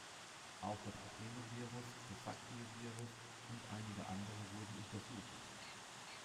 Auch das Adenovirus, Coxsackie-Virus und einige andere wurden untersucht.